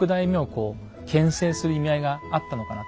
こうけん制する意味合いがあったのかなと。